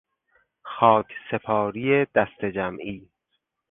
خاک سپاری دسته جمعی